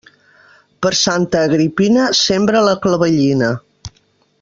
Per Santa Agripina sembra la clavellina.